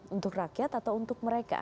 untuk rakyat atau untuk mereka